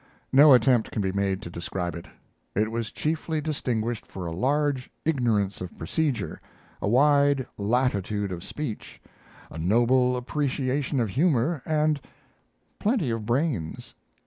No attempt can be made to describe it. It was chiefly distinguished for a large ignorance of procedure, a wide latitude of speech, a noble appreciation of humor, and plenty of brains.